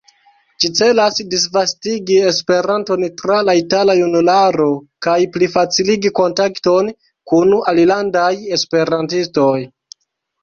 Ĝi celas disvastigi Esperanton tra la itala junularo, kaj plifaciligi kontakton kun alilandaj esperantistoj.